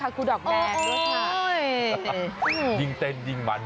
คุณครูดอกใหญ่มากค่ะครูดอกแม่ด้วยค่ะ